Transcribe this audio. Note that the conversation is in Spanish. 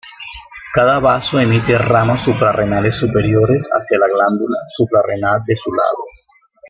Cada vaso emite ramas suprarrenales superiores hacia la glándula suprarrenal de su lado.